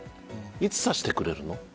いつ差してくれるの？